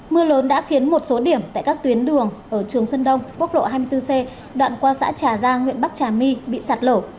mưa lớn đã khiến một số điểm tại các tuyến đường ở trường sơn đông quốc lộ hai mươi bốn c đoạn qua xã trà giang huyện bắc trà my bị sạt lở